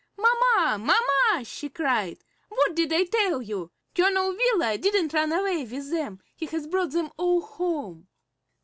"Mamma, mamma," she cried, "what did I tell you? Colonel Wheeler didn't run away with them; he has brought them all home."